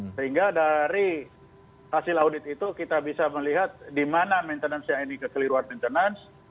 sehingga dari hasil audit itu kita bisa melihat di mana maintenance nya ini kekeliruan maintenance